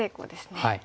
はい。